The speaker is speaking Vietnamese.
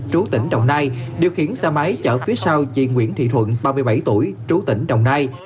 trú tỉnh đồng nai điều khiển xe máy chở phía sau chị nguyễn thị thuận ba mươi bảy tuổi trú tỉnh đồng nai